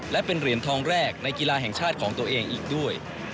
และเป็นเหรียญทองแรกในกีฬาแห่งชาติของตัวเองอีกด้วย